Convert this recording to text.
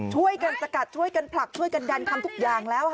ช่วยกันสกัดช่วยกันผลักช่วยกันดันทำทุกอย่างแล้วค่ะ